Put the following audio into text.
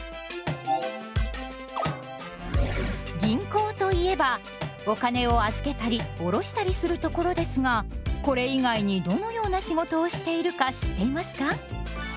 銀行といえばお金を預けたり下ろしたりするところですがこれ以外にどのような仕事をしているか知っていますか？